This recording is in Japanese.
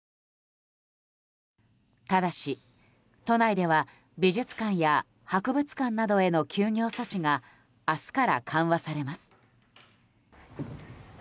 ただし、都内では美術館や博物館などへの休業措置が明日から緩和されます。